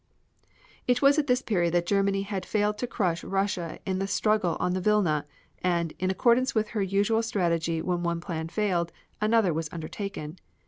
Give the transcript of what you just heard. It was at this period that Germany had failed to crush Russia in the struggle on the Vilna, and, in accordance with her usual strategy when one plan failed, another was undertaken.